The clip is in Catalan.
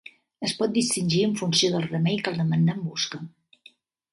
Es pot distingir en funció del remei que el demandant busca.